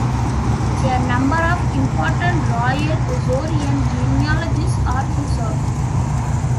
A number of important royal Ossorian genealogies are preserved.